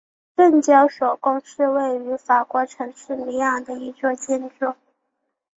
证交所宫是位于法国城市里昂的一座建筑。